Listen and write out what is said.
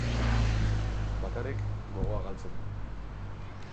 Bakarrik, gogoa galtzen da.